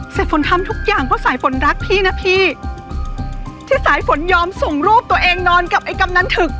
สายฝนทำทุกอย่างเพราะสายฝนรักพี่นะพี่ที่สายฝนยอมส่งรูปตัวเองนอนกับไอ้กำนันถึก